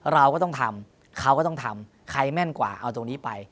เราก็ต้องทำเขาก็ต้องทำใครแม่นกว่าเอาตรงนี้ไป